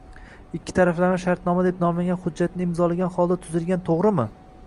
ikki taraflama “shartnoma” deb nomlangan hujjatni imzolagan holda tuzilgan to‘g‘rimi?